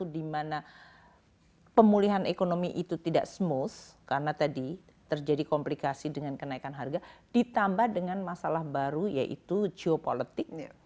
di mana pemulihan ekonomi itu tidak smooth karena tadi terjadi komplikasi dengan kenaikan harga ditambah dengan masalah baru yaitu geopolitik